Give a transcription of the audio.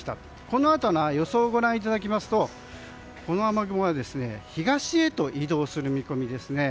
このあとの予想をご覧いただきますとこの雨雲は東へと移動する見込みです。